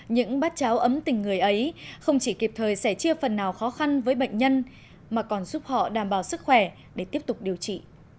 những bát cháo ấm tình người ấy không chỉ kịp thời sẽ chia phần nào khó khăn với bệnh nhân mà còn giúp họ đảm bảo sức khỏe để tiếp tục điều trị